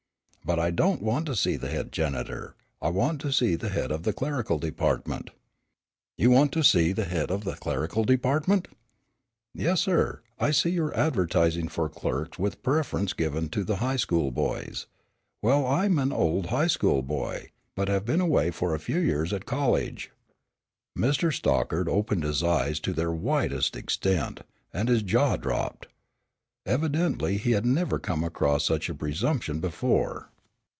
"But I don't want to see the head janitor. I want to see the head of the clerical department." "You want to see the head of the clerical department!" "Yes, sir, I see you are advertising for clerks with preference given to the high school boys. Well, I am an old high school boy, but have been away for a few years at college." Mr. Stockard opened his eyes to their widest extent, and his jaw dropped. Evidently he had never come across such presumption before.